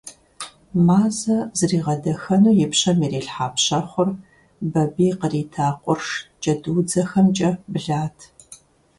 Мазэ зригъэдэхэну и пщэм ирилъхьа пщэхъур Бабий кърита къурш джэдуудзэхэмкӀэ блат.